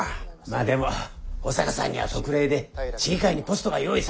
まあでも保坂さんには特例で市議会にポストが用意されましたから。